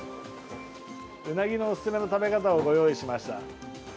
ウナギのおすすめの食べ方をご用意しました。